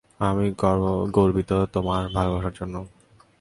আমি গর্বিত তোমার ভালবাসার জন্য।